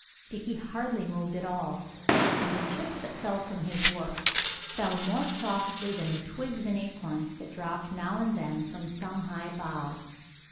Dickie hardly moved at all, and the chips that fell from his work fell more softly than the twigs and acorns that dropped now and then from some high bough.